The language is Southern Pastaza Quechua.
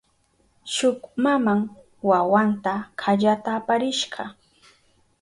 Shuk maman wawanta kallata aparishka.